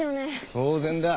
当然だ。